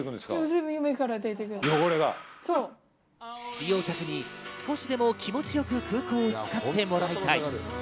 利用客に少しでも気持ちよく空港を使ってもらいたい。